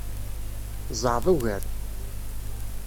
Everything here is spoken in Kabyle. Zɛeḍ ugar.